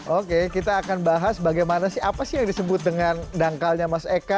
oke kita akan bahas bagaimana sih apa sih yang disebut dengan dangkalnya mas eka